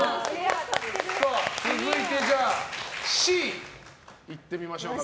続いて、Ｃいってみましょうか。